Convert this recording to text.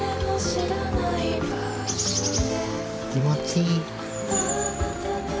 気持ちいい。